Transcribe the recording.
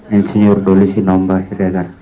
insinyur doli sinomba seriaga